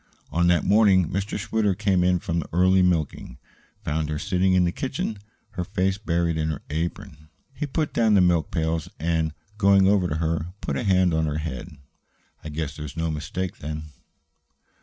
On that morning Mr. Schwitter, coming in from the early milking, found her sitting in the kitchen, her face buried in her apron. He put down the milk pails and, going over to her, put a hand on her head. "I guess there's no mistake, then?"